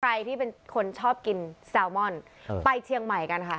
ใครที่เป็นคนชอบกินแซลมอนไปเชียงใหม่กันค่ะ